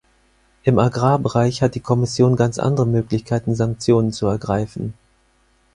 Im Agrarbereich hat die Kommission ganz andere Möglichkeiten, Sanktionen zu ergreifen.